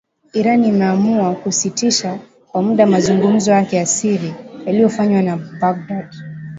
Iran imeamua kusitisha kwa muda mazungumzo yake ya siri yaliyofanywa na Baghdad.